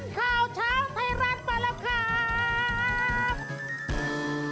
สีสันข่าวเช้าไทรรัสมาแล้วครับ